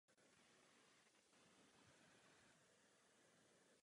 Premiérově také vybojoval tři trofeje v jediném kalendářním roce.